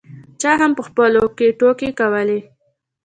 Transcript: چا هم په خپلو کې ټوکې کولې.